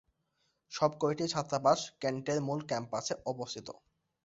সবকয়টি ছাত্রাবাস কেন্টের মূল ক্যাম্পাসে অবস্থিত।